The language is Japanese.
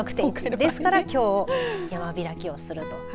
ですから、きょう山開きをすると。